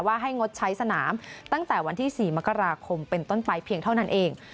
ให้งดใช้สนามตั้งแต่วันที่๔มกราคมเป็นต้นไปเพียงเท่านั้นเอง